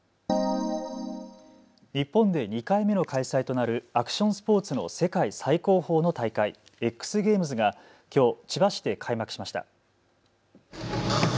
日本で２回目の開催となるアクションスポーツの世界最高峰の大会、Ｘゲームズがきょう千葉市で開幕しました。